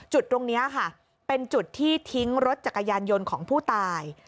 จุดตรงนี้ค่ะเป็นจุดที่ทิ้งรถจักรยานยนต์ของผู้ตาย